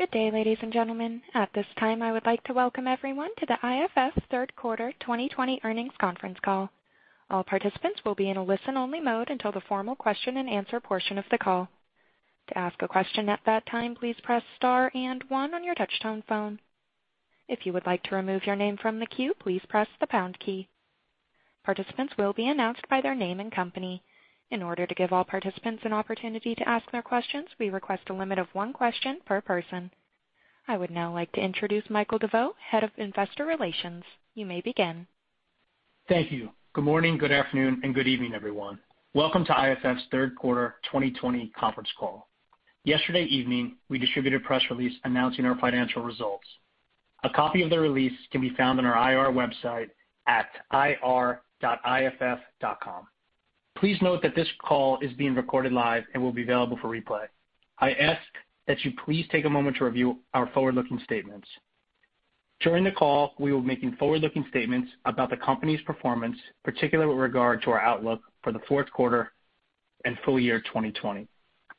Good day, ladies and gentlemen. At this time, I would like to welcome everyone to the IFF Third Quarter 2020 Earnings Conference Call. All participants will be in a listen-only mode until the formal question and answer portion of the call. To ask a question at that time, please press star and one on your touchtone phone. If you would like to remove your name from the queue, please press the pound key. Participants will be announced by their name and company. In order to give all participants an opportunity to ask their questions, we request a limit of one question per person. I would now like to introduce Michael DeVeau, Head of Investor Relations. You may begin. Thank you. Good morning, good afternoon, and good evening, everyone. Welcome to IFF's Third Quarter 2020 Conference Call. Yesterday evening, we distributed a press release announcing our financial results. A copy of the release can be found on our IR website at ir.iff.com. Please note that this call is being recorded live and will be available for replay. I ask that you please take a moment to review our forward-looking statements. During the call, we will be making forward-looking statements about the company's performance, particularly with regard to our outlook for the fourth quarter and full year 2020.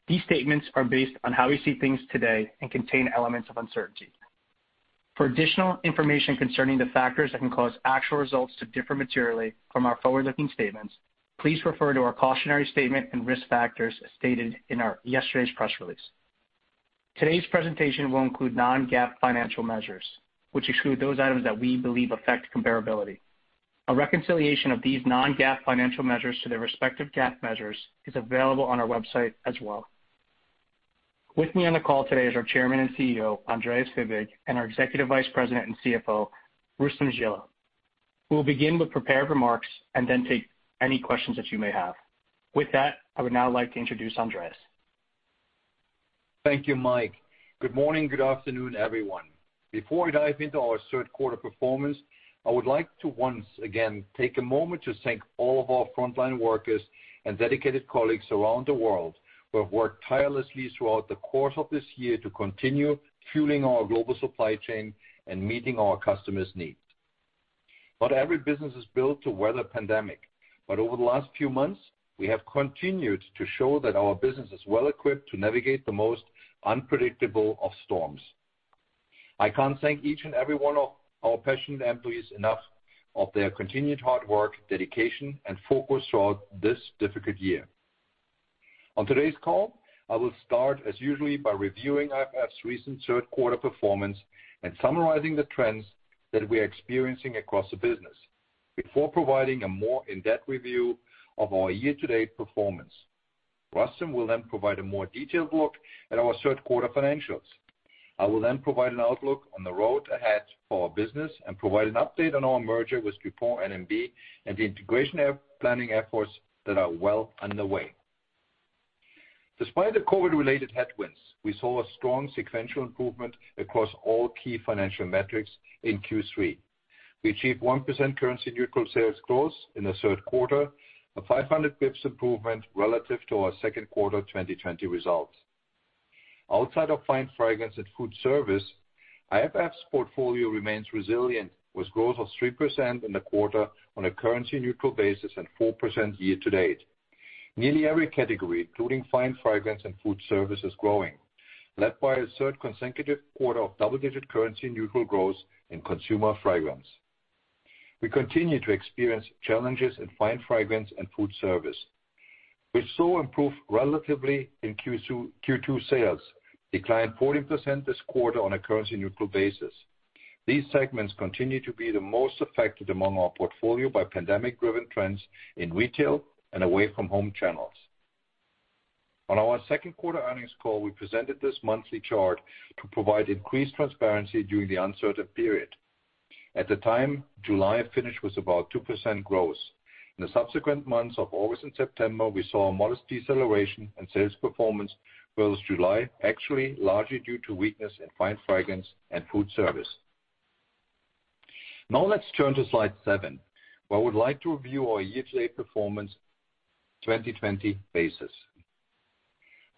These statements are based on how we see things today and contain elements of uncertainty. For additional information concerning the factors that can cause actual results to differ materially from our forward-looking statements, please refer to our cautionary statement and risk factors stated in our yesterday's press release. Today's presentation will include non-GAAP financial measures, which exclude those items that we believe affect comparability. A reconciliation of these non-GAAP financial measures to their respective GAAP measures is available on our website as well. With me on the call today is our Chairman and Chief Executive Officer, Andreas Fibig, and our Executive Vice President and Chief Financial Officer, Rustom Jilla. We will begin with prepared remarks and then take any questions that you may have. With that, I would now like to introduce Andreas Fibig. Thank you, Michael. Good morning, good afternoon, everyone. Before we dive into our third quarter performance, I would like to once again take a moment to thank all of our frontline workers and dedicated colleagues around the world who have worked tirelessly throughout the course of this year to continue fueling our global supply chain and meeting our customers' needs. Not every business is built to weather a pandemic, but over the last few months, we have continued to show that our business is well equipped to navigate the most unpredictable of storms. I can't thank each and every one of our passionate employees enough of their continued hard work, dedication, and focus throughout this difficult year. On today's call, I will start as usually by reviewing IFF's recent third quarter performance and summarizing the trends that we're experiencing across the business before providing a more in-depth review of our year-to-date performance. Rustom will then provide a more detailed look at our third quarter financials. I will then provide an outlook on the road ahead for our business and provide an update on our merger with DuPont N&B and the integration planning efforts that are well underway. Despite the COVID-related headwinds, we saw a strong sequential improvement across all key financial metrics in Q3. We achieved 1% currency-neutral sales growth in the third quarter, a 500 basis points improvement relative to our second quarter 2020 results. Outside of fine fragrance and food service, IFF's portfolio remains resilient, with growth of 3% in the quarter on a currency-neutral basis and 4% year-to-date. Nearly every category, including fine fragrance and food service, is growing, led by a third consecutive quarter of double-digit currency-neutral growth in consumer fragrance. We continue to experience challenges in fine fragrance and food service, which saw improved relative to Q2 sales, declined 14% this quarter on a currency-neutral basis. These segments continue to be the most affected among our portfolio by pandemic-driven trends in retail and away-from-home channels. On our second quarter earnings call, we presented this monthly chart to provide increased transparency during the uncertain period. At the time, July finished with about 2% growth. In the subsequent months of August and September, we saw a modest deceleration in sales performance versus July, actually largely due to weakness in fine fragrance and food service. Let's turn to slide seven, where I would like to review our year-to-date performance 2020 basis.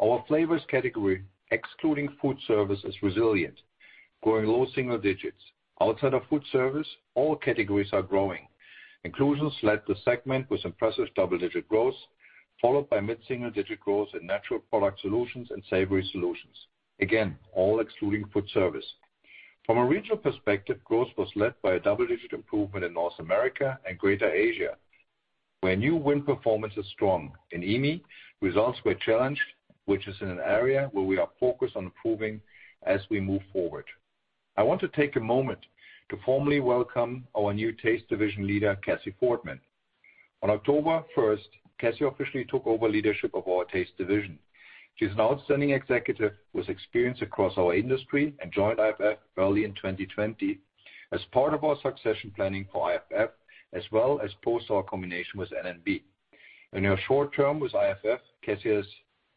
Our flavors category, excluding food service, is resilient, growing low single digits. Outside of food service, all categories are growing. Inclusions led the segment with impressive double-digit growth, followed by mid-single-digit growth in Natural Product Solutions and Savory Solutions. Again, all excluding food service. From a regional perspective, growth was led by a double-digit improvement in North America and Greater Asia, where new win performance is strong. In EMEA, results were challenged, which is in an area where we are focused on improving as we move forward. I want to take a moment to formally welcome our new Taste Division Leader, Kathy Fortmann. On October 1st, Kathy officially took over leadership of our Taste Division. She's an outstanding executive with experience across our industry and joined IFF early in 2020 as part of our succession planning for IFF as well as post our combination with N&B. In her short term with IFF, Kathy has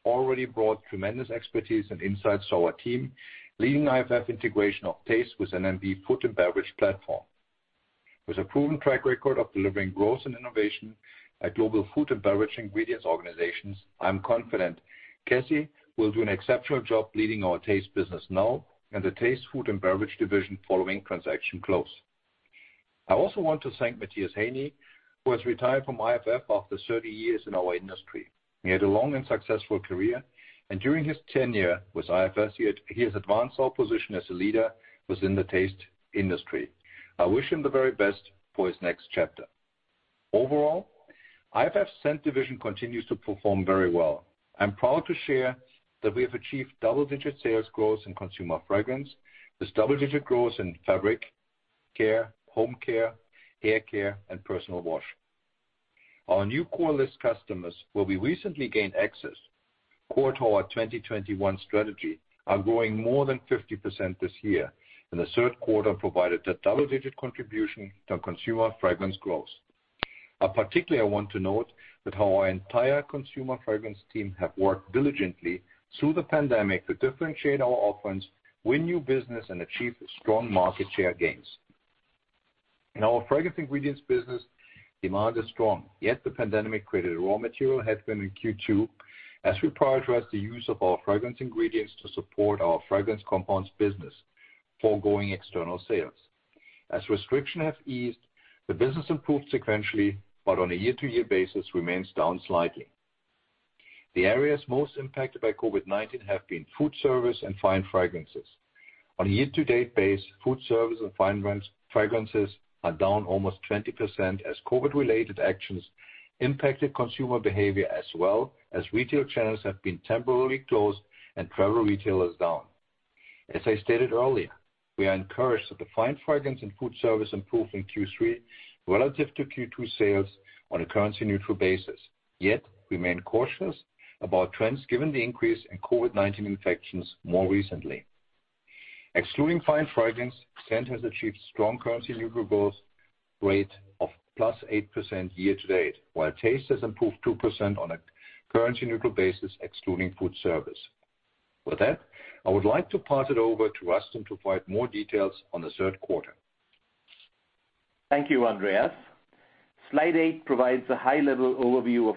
already brought tremendous expertise and insights to our team, leading IFF integration of Taste with N&B food and beverage platform. With a proven track record of delivering growth and innovation at global food and beverage ingredients organizations, I'm confident Kathy will do an exceptional job leading our Taste business now and the Taste food and beverage division following transaction close. I also want to thank Matthias Haeni, who has retired from IFF after 30 years in our industry. He had a long and successful career, and during his tenure with IFF, he has advanced our position as a leader within the Taste industry. I wish him the very best for his next chapter. Overall, IFF's Scent division continues to perform very well. I'm proud to share that we have achieved double-digit sales growth in consumer fragrance. There's double-digit growth in fabric care, home care, hair care, and personal wash. Our new core list customers where we recently gained access quarter our 2021 strategy are growing more than 50% this year, and the third quarter provided a double-digit contribution to consumer fragrance growth. Particularly, I want to note that our entire consumer fragrance team have worked diligently through the pandemic to differentiate our offerings, win new business, and achieve strong market share gains. In our fragrance ingredients business, demand is strong. Yet the pandemic created a raw material headwind in Q2 as we prioritize the use of our fragrance ingredients to support our fragrance compounds business, foregoing external sales. As restrictions have eased, the business improved sequentially, but on a year-over-year basis remains down slightly. The areas most impacted by COVID-19 have been food service and fine fragrances. On a year-to-date basis, food service and fine fragrance are down almost 20% as COVID-19-related actions impacted consumer behavior as well as retail channels have been temporarily closed and travel retail is down. As I stated earlier, we are encouraged that the fine fragrance and food service improved in Q3 relative to Q2 sales on a currency-neutral basis, yet remain cautious about trends given the increase in COVID-19 infections more recently. Excluding fine fragrance, Scent has achieved strong currency-neutral growth rate of +8% year-to-date, while Taste has improved 2% on a currency-neutral basis excluding food service. With that, I would like to pass it over to Rustom Jilla to provide more details on the third quarter. Thank you, Andreas. Slide eight provides a high-level overview of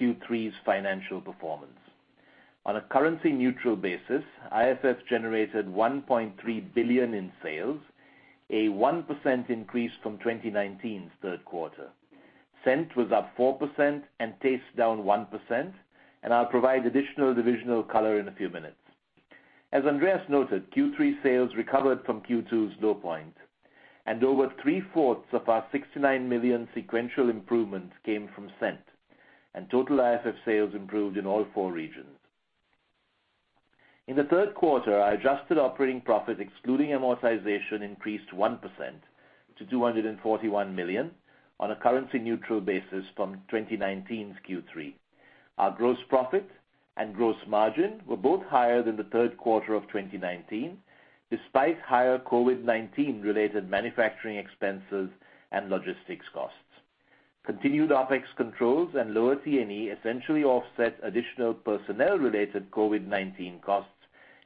Q3's financial performance. On a currency-neutral basis, IFF generated $1.3 billion in sales, a 1% increase from 2019's third quarter. Scent was up 4% and Taste down 1%, I'll provide additional divisional color in a few minutes. As Andreas noted, Q3 sales recovered from Q2's low point, over three-fourths of our $69 million sequential improvements came from Scent, Total IFF sales improved in all four regions. In the third quarter, our adjusted operating profit excluding amortization increased 1% to $241 million on a currency-neutral basis from 2019's Q3. Our gross profit and gross margin were both higher than the third quarter of 2019, despite higher COVID-19 related manufacturing expenses and logistics costs. Continued OpEx controls and lower T&E essentially offset additional personnel-related COVID-19 costs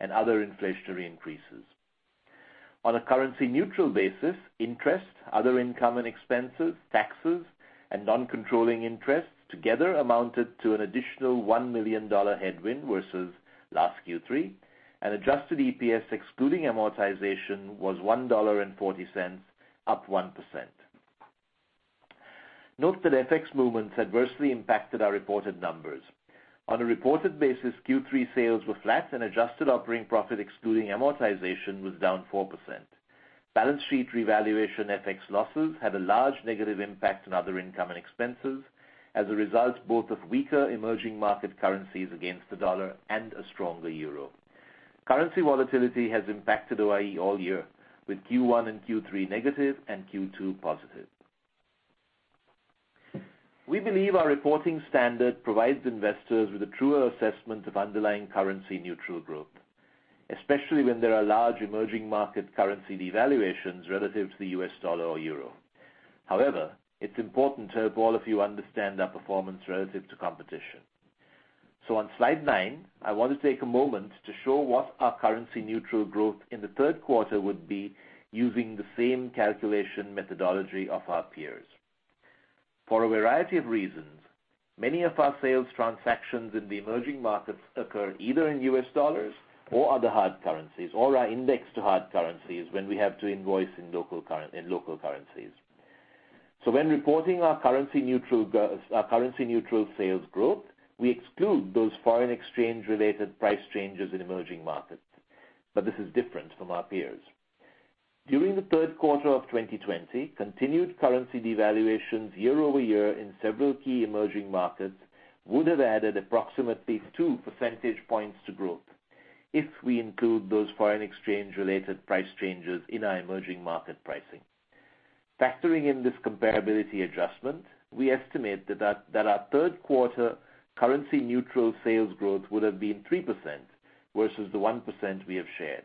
and other inflationary increases. On a currency-neutral basis, interest, other income and expenses, taxes, and non-controlling interests together amounted to an additional $1 million headwind versus last Q3, and adjusted EPS excluding amortization was $1.40, up 1%. Note that FX movements adversely impacted our reported numbers. On a reported basis, Q3 sales were flat and adjusted operating profit excluding amortization was down 4%. Balance sheet revaluation FX losses had a large negative impact on other income and expenses as a result both of weaker emerging market currencies against the dollar and a stronger euro. Currency volatility has impacted OIE all year, with Q1 and Q3 negative and Q2 positive. We believe our reporting standard provides investors with a truer assessment of underlying currency-neutral growth, especially when there are large emerging market currency devaluations relative to the U.S. dollar or euro. However, it's important to help all of you understand our performance relative to competition. On slide nine, I want to take a moment to show what our currency-neutral growth in the third quarter would be using the same calculation methodology of our peers. For a variety of reasons, many of our sales transactions in the emerging markets occur either in US dollars or other hard currencies or are indexed to hard currencies when we have to invoice in local currencies. When reporting our currency-neutral sales growth, we exclude those foreign exchange-related price changes in emerging markets. This is different from our peers. During the third quarter of 2020, continued currency devaluations year-over-year in several key emerging markets would have added approximately two percentage points to growth if we include those foreign exchange-related price changes in our emerging market pricing. Factoring in this comparability adjustment, we estimate that our third quarter currency-neutral sales growth would have been 3% versus the 1% we have shared.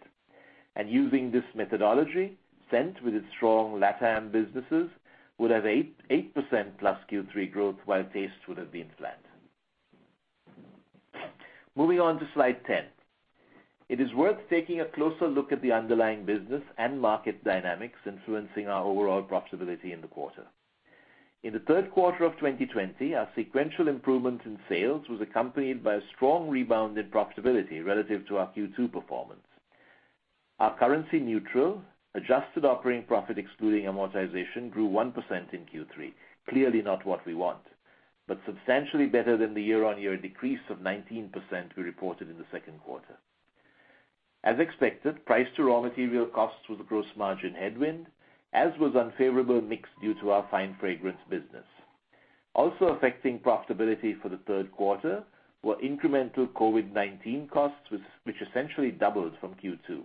Using this methodology, Scent with its strong LatAm businesses would have 8%+ Q3 growth, while Taste would have been flat. Moving on to slide 10. It is worth taking a closer look at the underlying business and market dynamics influencing our overall profitability in the quarter. In the third quarter of 2020, our sequential improvement in sales was accompanied by a strong rebound in profitability relative to our Q2 performance. Our currency-neutral, adjusted operating profit excluding amortization grew 1% in Q3. Clearly not what we want, but substantially better than the year-on-year decrease of 19% we reported in the second quarter. As expected, price to raw material costs was a gross margin headwind, as was unfavorable mix due to our fine fragrance business. Also affecting profitability for the third quarter were incremental COVID-19 costs, which essentially doubled from Q2.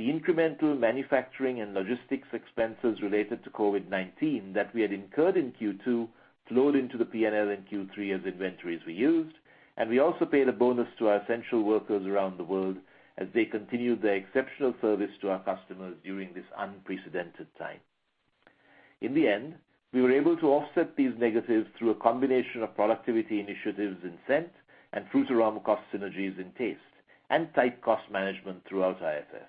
The incremental manufacturing and logistics expenses related to COVID-19 that we had incurred in Q2 flowed into the P&L in Q3 as inventories were used, and we also paid a bonus to our essential workers around the world as they continued their exceptional service to our customers during this unprecedented time. In the end, we were able to offset these negatives through a combination of productivity initiatives in scent and Frutarom cost synergies in Taste, and tight cost management throughout IFF.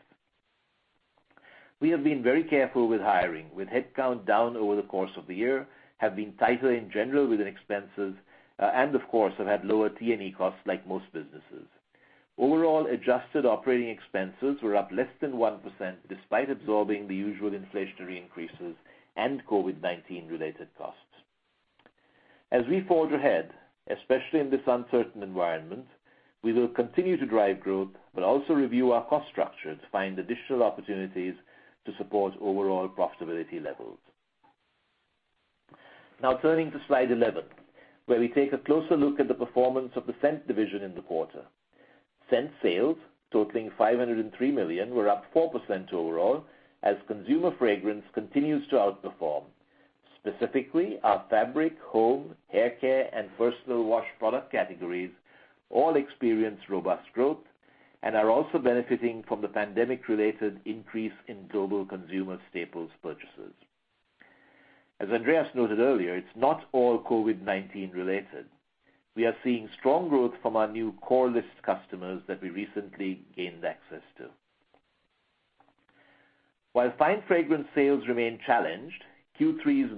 We have been very careful with hiring, with headcount down over the course of the year, have been tighter in general with expenses, and of course, have had lower T&E costs like most businesses. Overall, adjusted operating expenses were up less than 1% despite absorbing the usual inflationary increases and COVID-19 related costs. As we forge ahead, especially in this uncertain environment, we will continue to drive growth, but also review our cost structure to find additional opportunities to support overall profitability levels. Turning to slide 11, where we take a closer look at the performance of the Scent division in the quarter. Scent sales totaling $503 million were up 4% overall as consumer fragrance continues to outperform. Specifically, our fabric, home, hair care, and personal wash product categories all experience robust growth and are also benefiting from the pandemic-related increase in global consumer staples purchases. As Andreas noted earlier, it's not all COVID-19 related. We are seeing strong growth from our new core list customers that we recently gained access to. While fine fragrance sales remain challenged, Q3's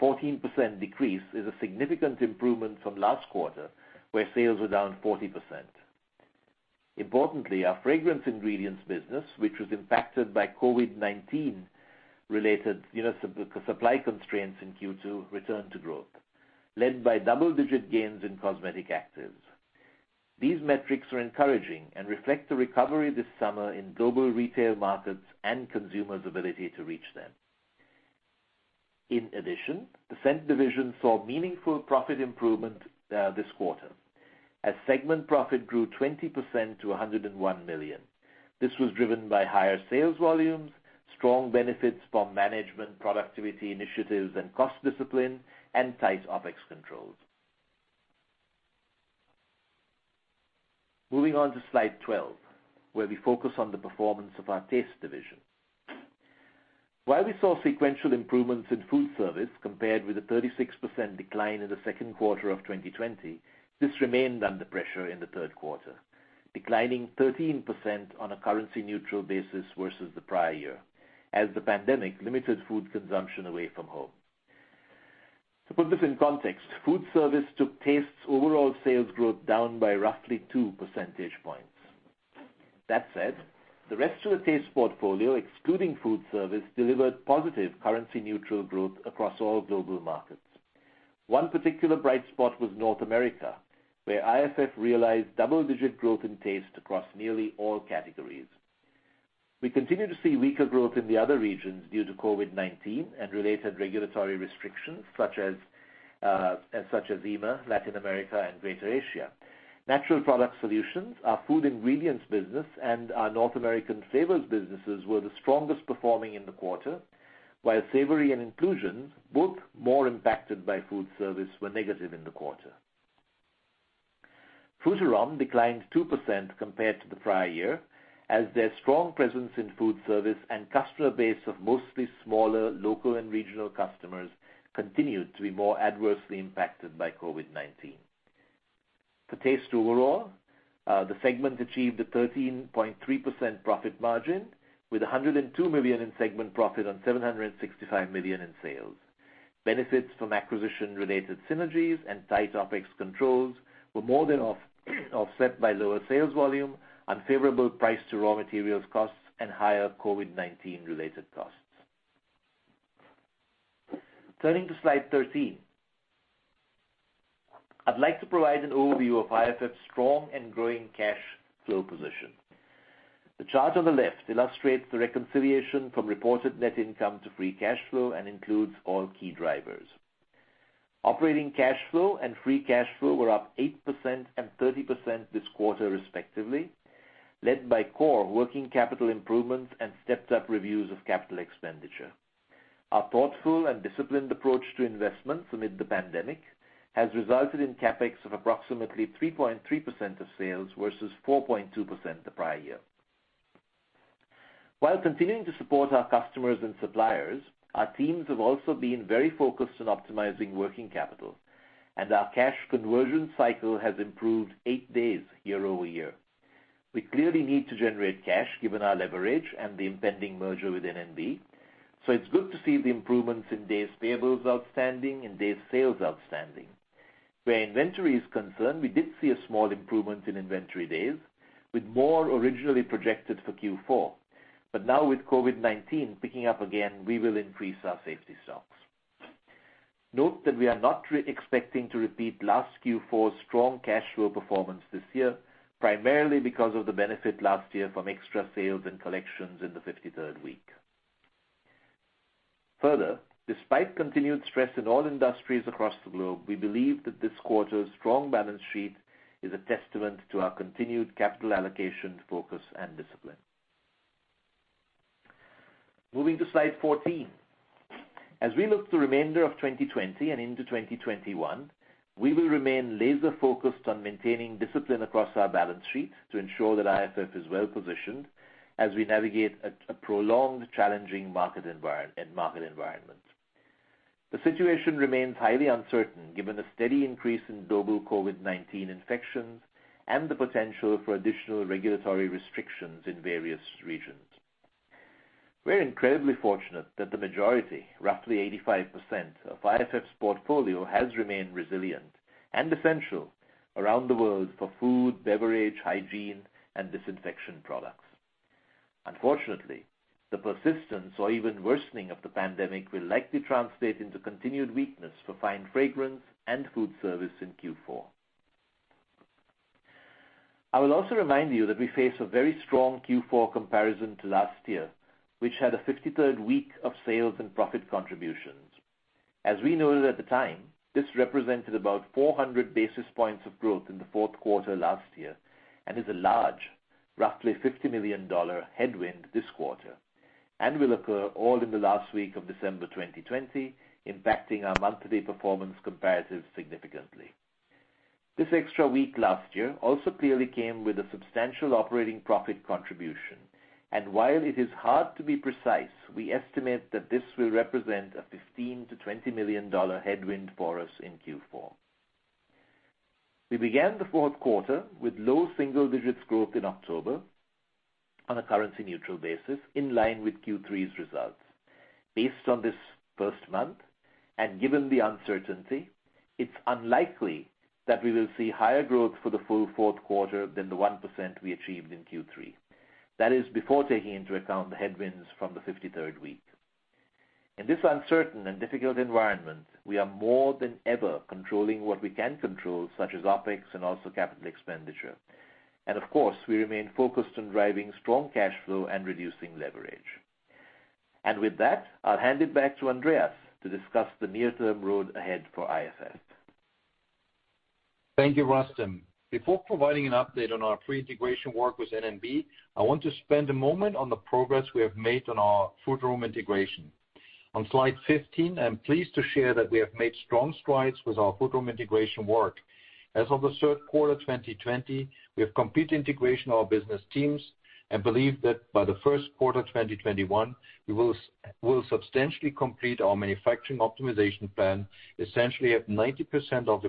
14% decrease is a significant improvement from last quarter, where sales were down 40%. Importantly, our fragrance ingredients business, which was impacted by COVID-19 related supply constraints in Q2, returned to growth, led by double-digit gains in cosmetic actives. These metrics are encouraging and reflect a recovery this summer in global retail markets and consumers' ability to reach them. In addition, the Scent division saw meaningful profit improvement this quarter as segment profit grew 20% to $101 million. This was driven by higher sales volumes, strong benefits from management productivity initiatives and cost discipline, and tight OpEx controls. Moving on to slide 12, where we focus on the performance of our Taste division. While we saw sequential improvements in food service compared with a 36% decline in the second quarter of 2020, this remained under pressure in the third quarter, declining 13% on a currency neutral basis versus the prior year as the pandemic limited food consumption away from home. To put this in context, food service took Taste's overall sales growth down by roughly two percentage points. That said, the rest of the Taste portfolio, excluding food service, delivered positive currency neutral growth across all global markets. One particular bright spot was North America, where IFF realized double-digit growth in Taste across nearly all categories. We continue to see weaker growth in the other regions due to COVID-19 and related regulatory restrictions such as EMEA, Latin America, and Greater Asia. Natural Product Solutions, our food ingredients business, and our North American flavors businesses were the strongest performing in the quarter. While savory and inclusions, both more impacted by food service, were negative in the quarter. Frutarom declined 2% compared to the prior year as their strong presence in food service and customer base of mostly smaller, local and regional customers continued to be more adversely impacted by COVID-19. For Taste overall, the segment achieved a 13.3% profit margin with $102 million in segment profit on $765 million in sales. Benefits from acquisition-related synergies and tight OpEx controls were more than offset by lower sales volume, unfavorable price to raw materials costs, and higher COVID-19 related costs. Turning to slide 13. I'd like to provide an overview of IFF's strong and growing cash flow position. The chart on the left illustrates the reconciliation from reported net income to free cash flow and includes all key drivers. Operating cash flow and free cash flow were up 8% and 30% this quarter respectively, led by core working capital improvements and stepped-up reviews of capital expenditure. Our thoughtful and disciplined approach to investments amid the pandemic has resulted in CapEx of approximately 3.3% of sales versus 4.2% the prior year. While continuing to support our customers and suppliers, our teams have also been very focused on optimizing working capital, and our cash conversion cycle has improved eight days year-over-year. We clearly need to generate cash given our leverage and the impending merger with N&B. It's good to see the improvements in days payables outstanding and days sales outstanding. Where inventory is concerned, we did see a small improvement in inventory days with more originally projected for Q4. Now with COVID-19 picking up again, we will increase our safety stocks. Note that we are not expecting to repeat last Q4's strong cash flow performance this year, primarily because of the benefit last year from extra sales and collections in the 53rd week. Despite continued stress in all industries across the globe, we believe that this quarter's strong balance sheet is a testament to our continued capital allocation focus and discipline. Moving to slide 14. As we look to the remainder of 2020 and into 2021, we will remain laser focused on maintaining discipline across our balance sheet to ensure that IFF is well positioned as we navigate a prolonged challenging market environment. The situation remains highly uncertain given the steady increase in global COVID-19 infections and the potential for additional regulatory restrictions in various regions. We're incredibly fortunate that the majority, roughly 85%, of IFF's portfolio has remained resilient and essential around the world for food, beverage, hygiene, and disinfection products. The persistence or even worsening of the pandemic will likely translate into continued weakness for fine fragrance and food service in Q4. I will also remind you that we face a very strong Q4 comparison to last year, which had a 53rd week of sales and profit contributions. As we noted at the time, this represented about 400 basis points of growth in the fourth quarter last year and is a large, roughly $50 million headwind this quarter, and will occur all in the last week of December 2020, impacting our month-to-date performance comparatives significantly. This extra week last year also clearly came with a substantial operating profit contribution, and while it is hard to be precise, we estimate that this will represent a $15 million-$20 million headwind for us in Q4. We began the fourth quarter with low single digits growth in October on a currency neutral basis, in line with Q3's results. Based on this first month, and given the uncertainty, it's unlikely that we will see higher growth for the full fourth quarter than the 1% we achieved in Q3. That is before taking into account the headwinds from the 53rd week. In this uncertain and difficult environment, we are more than ever controlling what we can control, such as OpEx and also capital expenditure. Of course, we remain focused on driving strong cash flow and reducing leverage. With that, I'll hand it back to Andreas to discuss the near-term road ahead for IFF. Thank you, Rustom. Before providing an update on our pre-integration work with N&B, I want to spend a moment on the progress we have made on our Frutarom integration. On slide 15, I'm pleased to share that we have made strong strides with our Frutarom integration work. As of the third quarter 2020, we have complete integration of business teams and believe that by the first quarter 2021, we will substantially complete our manufacturing optimization plan, essentially at 90% of the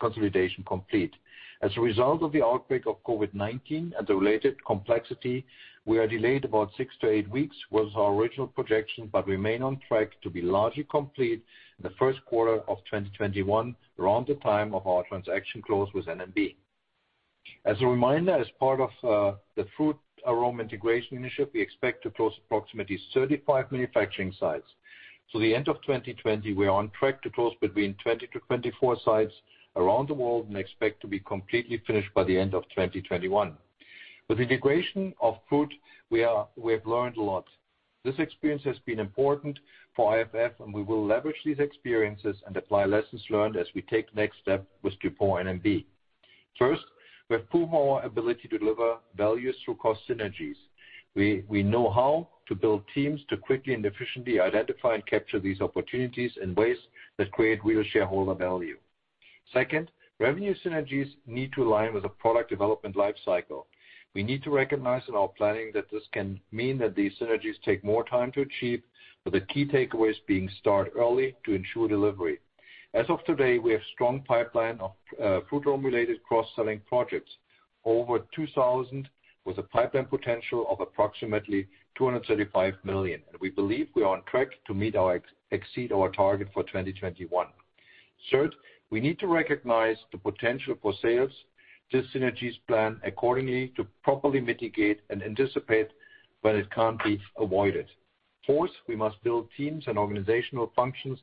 consolidation complete. As a result of the outbreak of COVID-19 and the related complexity, we are delayed about six to eight weeks with our original projection, but remain on track to be largely complete in the first quarter of 2021, around the time of our transaction close with N&B. As a reminder, as part of the Frutarom integration initiative, we expect to close approximately 35 manufacturing sites. The end of 2020, we are on track to close between 20-24 sites around the world and expect to be completely finished by the end of 2021. With integration of Food, we have learned a lot. This experience has been important for IFF and we will leverage these experiences and apply lessons learned as we take the next step with DuPont N&B. First, we have proven our ability to deliver value through cost synergies. We know how to build teams to quickly and efficiently identify and capture these opportunities in ways that create real shareholder value. Second, revenue synergies need to align with the product development life cycle. We need to recognize in our planning that this can mean that these synergies take more time to achieve, but the key takeaway is being start early to ensure delivery. As of today, we have strong pipeline of Frutarom related cross-selling projects, over 2,000 with a pipeline potential of approximately $235 million. We believe we are on track to meet or exceed our target for 2021. Third, we need to recognize the potential for sales synergies plan accordingly to properly mitigate and anticipate when it can't be avoided. Fourth, we must build teams and organizational functions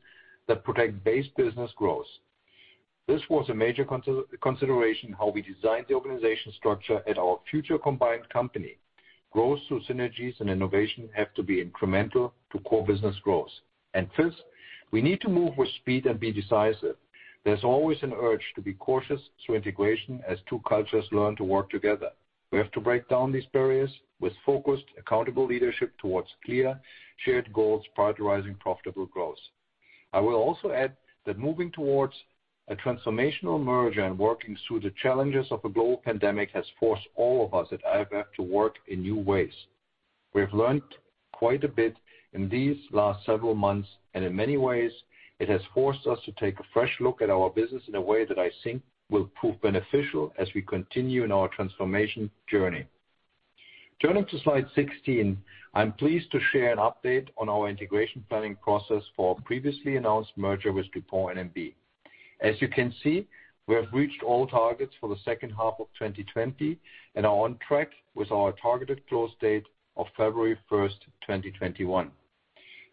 that protect base business growth. This was a major consideration how we designed the organization structure at our future combined company. Growth through synergies and innovation have to be incremental to core business growth. Fifth, we need to move with speed and be decisive. There's always an urge to be cautious through integration as two cultures learn to work together. We have to break down these barriers with focused, accountable leadership towards clear, shared goals prioritizing profitable growth. I will also add that moving towards a transformational merger and working through the challenges of a global pandemic has forced all of us at IFF to work in new ways. We've learned quite a bit in these last several months, and in many ways, it has forced us to take a fresh look at our business in a way that I think will prove beneficial as we continue in our transformation journey. Turning to slide 16, I'm pleased to share an update on our integration planning process for our previously announced merger with DuPont N&B. As you can see, we have reached all targets for the second half of 2020 and are on track with our targeted close date of February 1st, 2021.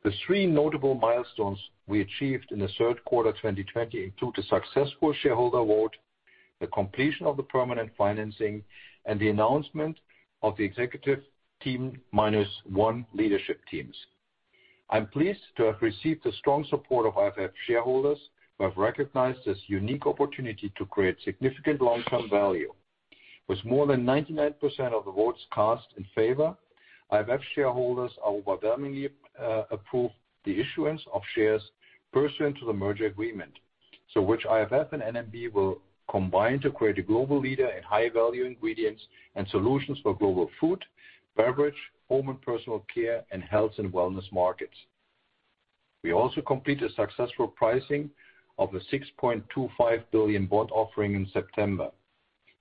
The three notable milestones we achieved in the third quarter 2020 include the successful shareholder vote, the completion of the permanent financing, and the announcement of the executive team minus one leadership teams. I'm pleased to have received the strong support of IFF shareholders, who have recognized this unique opportunity to create significant long-term value. With more than 99% of the votes cast in favor, IFF shareholders overwhelmingly approved the issuance of shares pursuant to the merger agreement. Which IFF and N&B will combine to create a global leader in high-value ingredients and solutions for global food, beverage, home and personal care, and health and wellness markets. We also completed successful pricing of a $6.25 billion bond offering in September.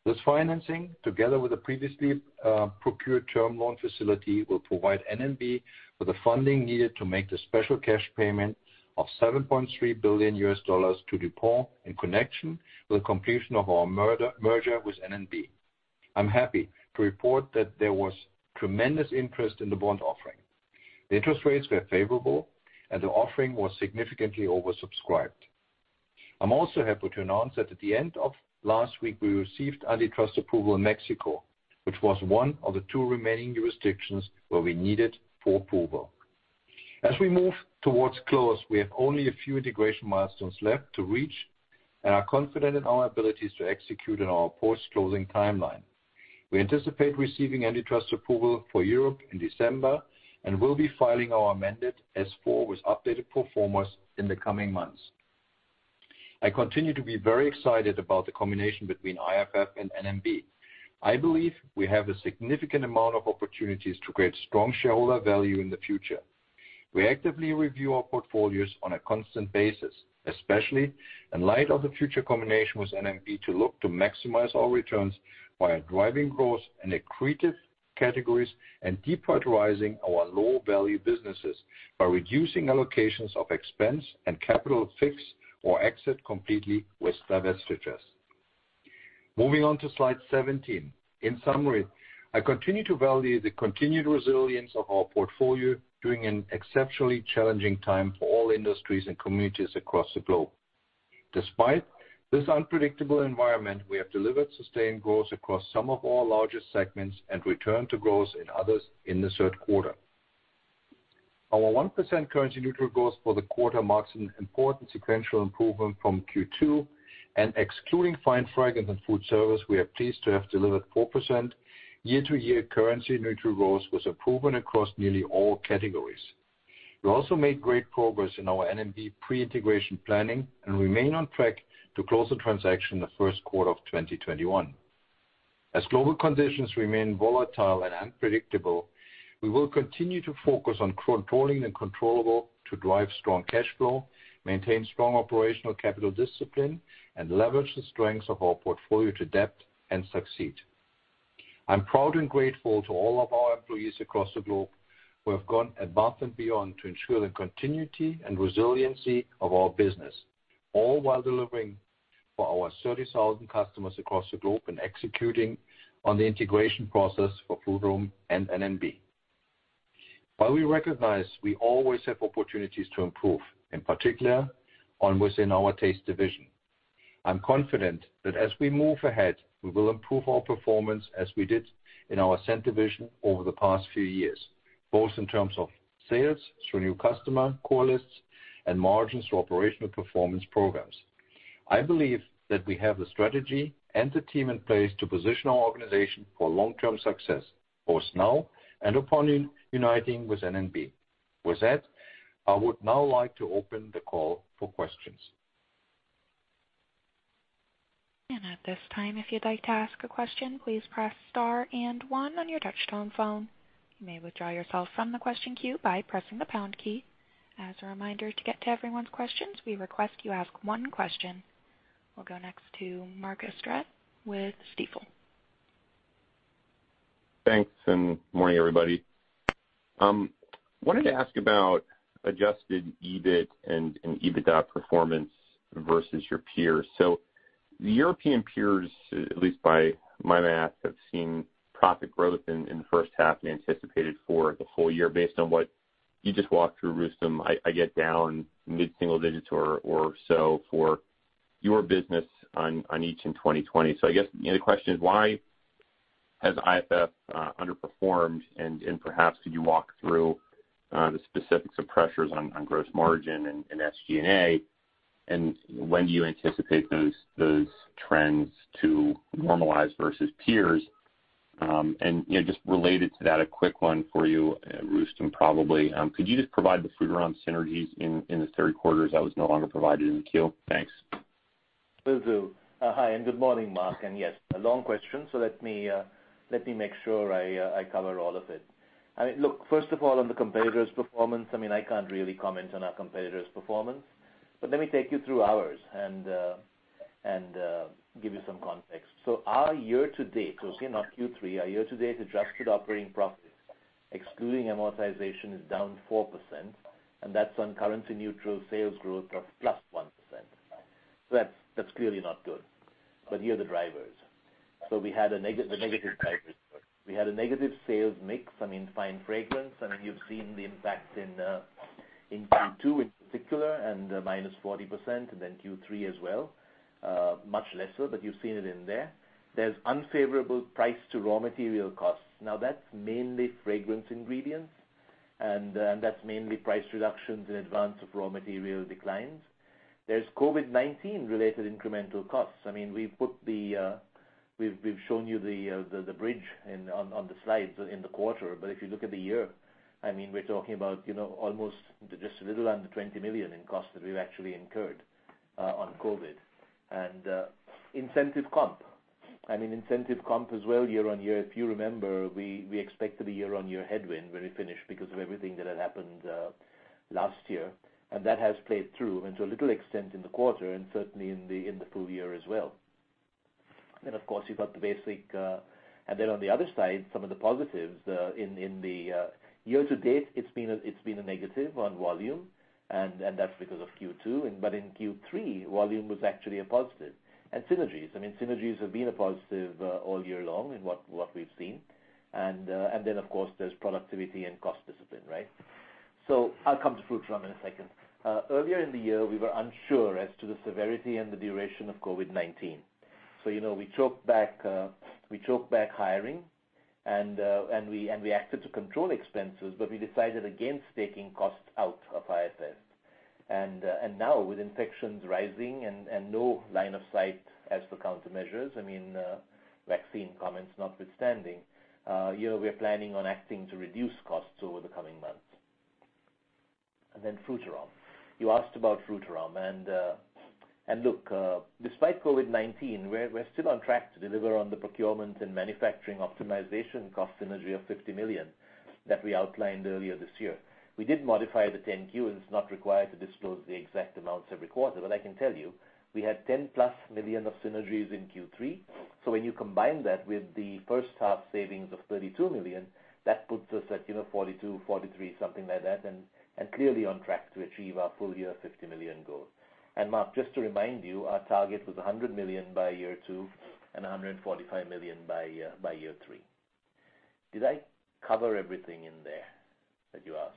This financing, together with the previously procured term loan facility, will provide N&B with the funding needed to make the special cash payment of $7.3 billion to DuPont in connection with the completion of our merger with N&B. I'm happy to report that there was tremendous interest in the bond offering. The interest rates were favorable, and the offering was significantly oversubscribed. I'm also happy to announce that at the end of last week, we received antitrust approval in Mexico, which was one of the two remaining jurisdictions where we needed full approval. As we move towards close, we have only a few integration milestones left to reach and are confident in our abilities to execute on our post-closing timeline. We anticipate receiving antitrust approval for Europe in December, and will be filing our amended S-4 with updated pro formas in the coming months. I continue to be very excited about the combination between IFF and N&B. I believe we have a significant amount of opportunities to create strong shareholder value in the future. We actively review our portfolios on a constant basis, especially in light of the future combination with N&B to look to maximize our returns via driving growth in accretive categories and deprioritizing our low-value businesses by reducing allocations of expense and CapEx or exit completely with divestitures. Moving on to slide 17. In summary, I continue to value the continued resilience of our portfolio during an exceptionally challenging time for all industries and communities across the globe. Despite this unpredictable environment, we have delivered sustained growth across some of our largest segments and returned to growth in others in the third quarter. Our 1% currency-neutral growth for the quarter marks an important sequential improvement from Q2 and excluding fine fragrance and food service, we are pleased to have delivered 4% year-to-year currency-neutral growth with improvement across nearly all categories. We also made great progress in our N&B pre-integration planning and remain on track to close the transaction in the first quarter of 2021. As global conditions remain volatile and unpredictable, we will continue to focus on controlling the controllable to drive strong cash flow, maintain strong operational capital discipline, and leverage the strengths of our portfolio to adapt and succeed. I'm proud and grateful to all of our employees across the globe who have gone above and beyond to ensure the continuity and resiliency of our business, all while delivering for our 30,000 customers across the globe and executing on the integration process for Frutarom and N&B. While we recognize we always have opportunities to improve, in particular within our Taste division, I'm confident that as we move ahead, we will improve our performance as we did in our Scent division over the past few years, both in terms of sales through new customer core lists and margins through operational performance programs. I believe that we have the strategy and the team in place to position our organization for long-term success, both now and upon uniting with N&B. With that, I would now like to open the call for questions. At this time, if you'd like to ask a question, please press star and one on your touchtone phone. You may withdraw yourself from the question queue by pressing the pound key. As a reminder, to get to everyone's questions, we request you ask one question. We'll go next to Mark Astrachan with Stifel. Thanks, and morning, everybody. Wanted to ask about adjusted EBIT and EBITDA performance versus your peers. The European peers, at least by my math, have seen profit growth in the first half and anticipated for the whole year based on what you just walked through, Rustom. I get down mid-single digits or so for your business on each in 2020. I guess the only question is why has IFF underperformed, and perhaps could you walk through the specifics of pressures on gross margin and SG&A, and when do you anticipate those trends to normalize versus peers? Just related to that, a quick one for you, Rustom, probably. Could you just provide the Frutarom synergies in this third quarter, as that was no longer provided in the 10-Q? Thanks. Will do. Hi, good morning, Mark. Yes, a long question, let me make sure I cover all of it. Look, first of all, on the competitor's performance, I can't really comment on our competitor's performance. Let me take you through ours and give you some context. Our year-to-date, okay, not Q3, our year-to-date adjusted operating profits, excluding amortization, is down 4%, and that's on currency neutral sales growth of +1%. That's clearly not good, but here are the drivers. We had a negative sales mix in fine fragrance. You've seen the impact in Q2 in particular and the minus 40%, then Q3 as well, much lesser, but you've seen it in there. There's unfavorable price to raw material costs. Now, that's mainly fragrance ingredients, and that's mainly price reductions in advance of raw material declines. There's COVID-19 related incremental costs. We've shown you the bridge on the slides in the quarter. If you look at the year, we're talking about almost just a little under $20 million in costs that we've actually incurred on COVID. Incentive comp. Incentive comp as well year-over-year. If you remember, we expected a year-over-year headwind when we finished because of everything that had happened last year. That has played through to a little extent in the quarter and certainly in the full year as well. On the other side, some of the positives in the year-to-date, it's been a negative on volume and that's because of Q2. In Q3, volume was actually a positive. Synergies. Synergies have been a positive all year long in what we've seen. Of course, there's productivity and cost discipline, right? I'll come to Frutarom in a second. Earlier in the year, we were unsure as to the severity and the duration of COVID-19. We choked back hiring and we acted to control expenses, but we decided against taking costs out of IFF. With infections rising and no line of sight as for countermeasures, vaccine comments notwithstanding, we're planning on acting to reduce costs over the coming months. Frutarom. You asked about Frutarom. Despite COVID-19, we're still on track to deliver on the procurement and manufacturing optimization cost synergy of $50 million that we outlined earlier this year. We did modify the 10-Q, and it's not required to disclose the exact amounts every quarter, but I can tell you, we had $10+ million of synergies in Q3. When you combine that with the first half savings of $32 million, that puts us at $42, $43, something like that, and clearly on track to achieve our full year $50 million goal. Mark, just to remind you, our target was $100 million by year two and $145 million by year three. Did I cover everything in there that you asked?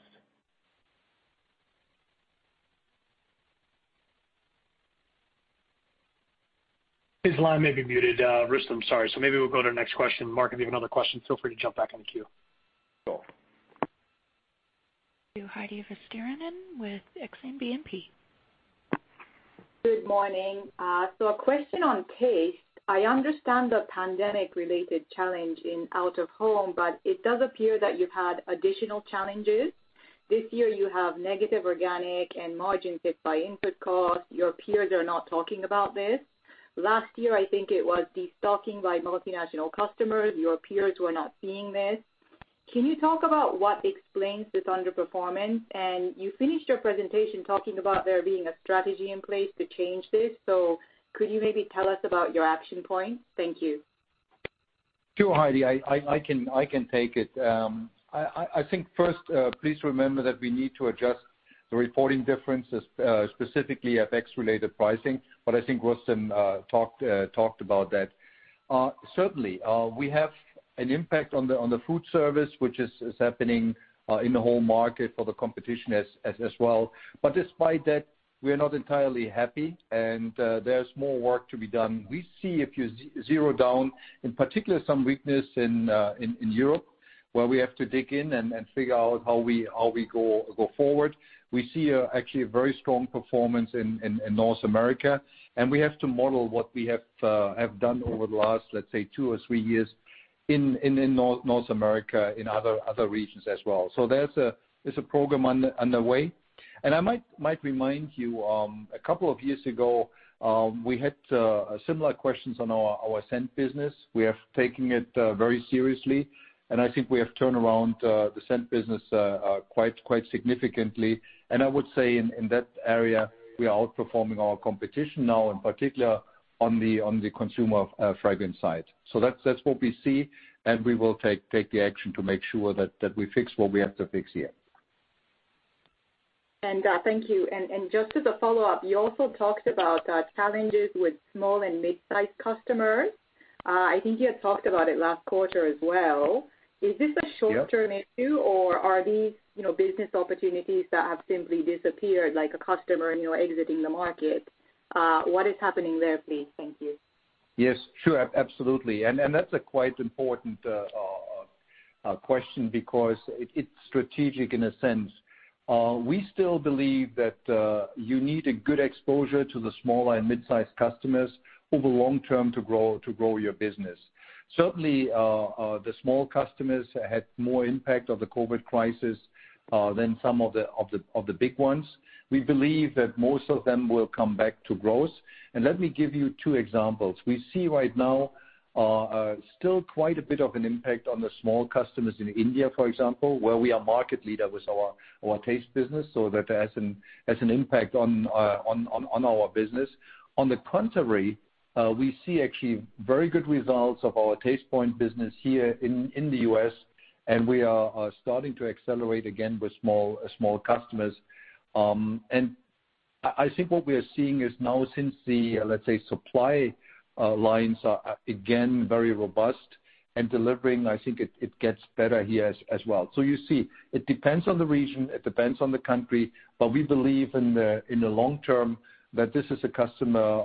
His line may be muted, Rustom. Sorry. Maybe we'll go to our next question. Mark, if you have another question, feel free to jump back in the queue. Sure. Heidi Vesterinen with Exane BNP Paribas. Good morning. A question on Taste. I understand the pandemic-related challenge in out of home, but it does appear that you've had additional challenges. This year, you have negative organic and margin hit by input cost. Your peers are not talking about this. Last year, I think it was destocking by multinational customers. Your peers were not seeing this. Can you talk about what explains this underperformance? You finished your presentation talking about there being a strategy in place to change this. Could you maybe tell us about your action points? Thank you. Sure, Heidi, I can take it. I think first, please remember that we need to adjust the reporting differences, specifically FX-related pricing, I think Rustom talked about that. Certainly, we have an impact on the food service, which is happening in the whole market for the competition as well. Despite that, we are not entirely happy and there's more work to be done. We see, if you zero down, in particular, some weakness in Europe, where we have to dig in and figure out how we go forward. We see actually a very strong performance in North America, and we have to model what we have done over the last, let's say, two or three years in North America, in other regions as well. There's a program underway. I might remind you, a couple of years ago, we had similar questions on our Scent business. We are taking it very seriously. I think we have turned around the Scent business quite significantly. I would say in that area, we are outperforming our competition now, in particular on the consumer fragrance side. That's what we see. We will take the action to make sure that we fix what we have to fix here. Thank you. Just as a follow-up, you also talked about challenges with small and mid-size customers. I think you had talked about it last quarter as well. Is this a short-term issue or are these business opportunities that have simply disappeared, like a customer and you're exiting the market? What is happening there, please? Thank you. Yes, sure. Absolutely. That's a quite important question because it's strategic in a sense. We still believe that you need a good exposure to the smaller and mid-size customers. Over long term to grow your business. Certainly, the small customers had more impact of the COVID-19 crisis than some of the big ones. We believe that most of them will come back to growth. Let me give you two examples. We see right now still quite a bit of an impact on the small customers in India, for example, where we are market leader with our Taste business, so that has an impact on our business. On the contrary, we see actually very good results of our Tastepoint business here in the U.S., and we are starting to accelerate again with small customers. I think what we are seeing is now since the, let's say, supply lines are again very robust and delivering, I think it gets better here as well. You see, it depends on the region, it depends on the country, but we believe in the long term that this is a customer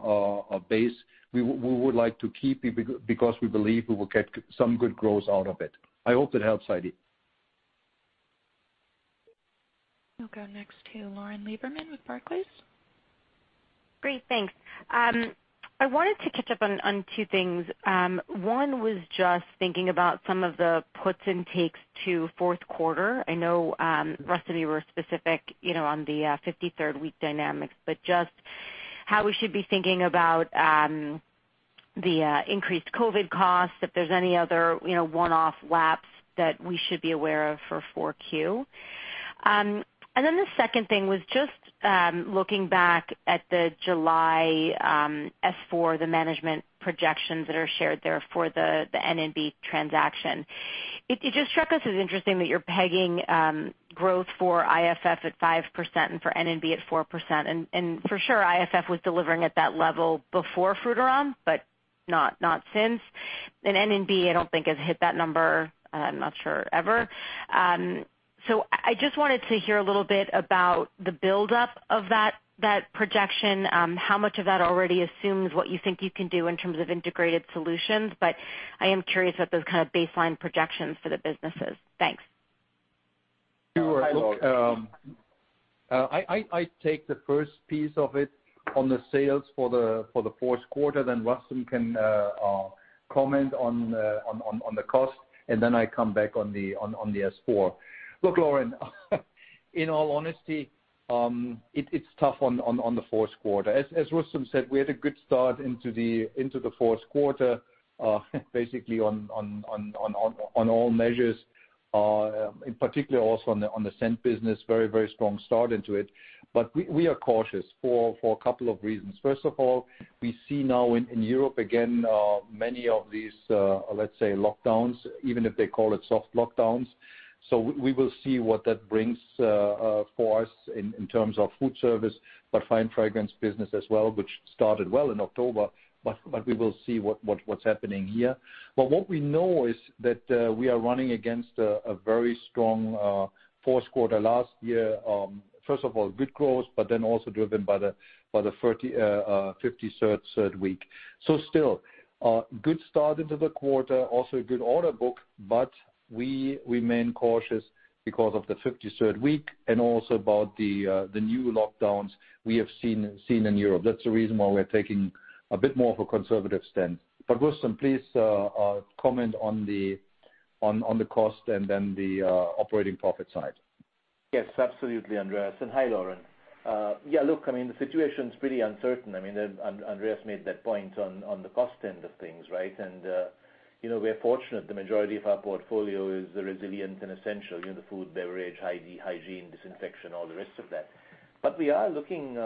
base we would like to keep because we believe we will get some good growth out of it. I hope that helps, Heidi. We'll go next to Lauren Lieberman with Barclays. Great, thanks. I wanted to catch up on two things. One was just thinking about some of the puts and takes to fourth quarter. I know, Rustom, you were specific on the 53rd week dynamics, but just how we should be thinking about the increased COVID costs, if there's any other one-off lapse that we should be aware of for 4Q? Then the second thing was just looking back at the July S-4, the management projections that are shared there for the N&B transaction. It just struck us as interesting that you're pegging growth for IFF at 5% and for N&B at 4%. For sure, IFF was delivering at that level before Frutarom, but not since. N&B, I don't think has hit that number, I'm not sure, ever. I just wanted to hear a little bit about the buildup of that projection. How much of that already assumes what you think you can do in terms of integrated solutions, but I am curious about those kind of baseline projections for the businesses. Thanks. I take the first piece of it on the sales for the fourth quarter. Rustom can comment on the cost. I come back on the S-4. Lauren, in all honesty, it's tough on the fourth quarter. As Rustom said, we had a good start into the fourth quarter, basically on all measures, in particular also on the Scent business, very strong start into it. We are cautious for a couple of reasons. First of all, we see now in Europe, again, many of these, let's say, lockdowns, even if they call it soft lockdowns. We will see what that brings for us in terms of food service, fine fragrance business as well, which started well in October. We will see what's happening here. What we know is that we are running against a very strong fourth quarter last year. First of all, good growth, also driven by the 53rd week. Still, a good start into the quarter, also a good order book, we remain cautious because of the 53rd week and also about the new lockdowns we have seen in Europe. That's the reason why we're taking a bit more of a conservative stance. Rustom, please comment on the cost and the operating profit side. Yes, absolutely, Andreas, and hi, Lauren. Yeah, look, the situation's pretty uncertain. Andreas made that point on the cost end of things, right? We're fortunate the majority of our portfolio is resilient and essential, the food, beverage, hygiene, disinfection, all the rest of that. We are looking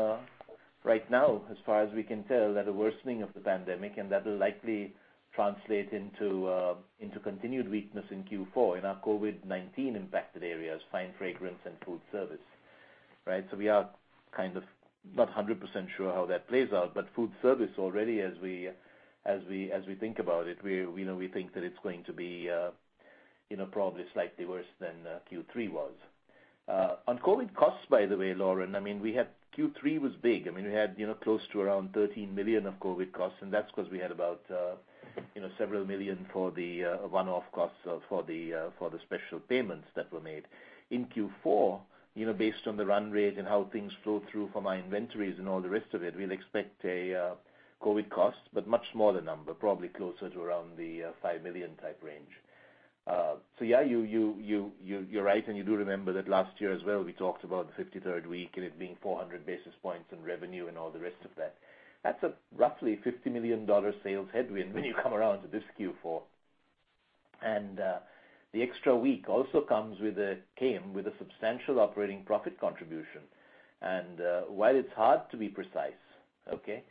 right now, as far as we can tell, at a worsening of the pandemic, and that will likely translate into continued weakness in Q4 in our COVID-19 impacted areas, fine fragrance and food service. Right? We are not 100% sure how that plays out, but food service already as we think about it, we think that it's going to be probably slightly worse than Q3 was. On COVID costs, by the way, Lauren, Q3 was big. We had close to around $13 million of COVID costs. That's because we had about several million for the one-off costs for the special payments that were made. In Q4, based on the run rate and how things flow through from my inventories and all the rest of it, we'll expect a COVID cost, much smaller number, probably closer to around the $5 million type range. Yeah, you're right. You do remember that last year as well, we talked about the 53rd week and it being 400 basis points in revenue and all the rest of that. That's a roughly $50 million sales headwind when you come around to this Q4. The extra week also came with a substantial operating profit contribution. While it's hard to be precise, okay,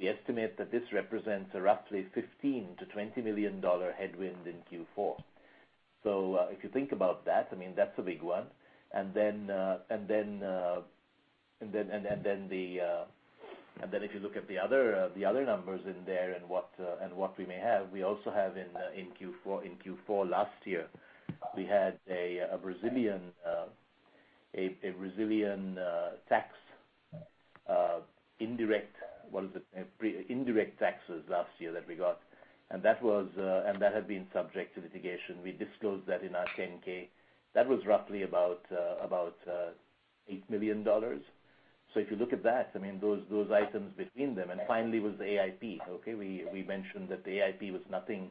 we estimate that this represents a roughly $15 million-$20 million headwind in Q4. If you think about that's a big one. If you look at the other numbers in there and what we may have, we also have in Q4 last year, we had a Brazilian tax, indirect taxes last year that we got, and that had been subject to litigation. We disclosed that in our 10-K. That was roughly about $8 million. If you look at that, those items between them, and finally was the Annual Incentive Plan. Okay, we mentioned that the AIP was nothing